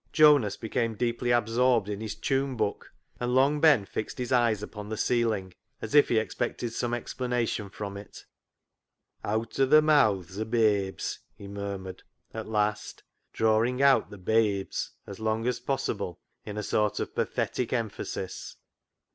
Jonas became deeply absorbed in his tune book, and Long Ben fixed his eyes upon the ceiling as if he expected some explanation from it. " Out of the mouths o' babes," he murmured 42 CLOG SHOP CHRONICLES at last, drawing out the " babes " as long as possible in a sort of pathetic emphasis.